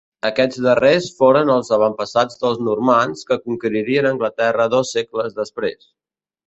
Aquests darrers foren els avantpassats dels normands, que conqueririen Anglaterra dos segles després.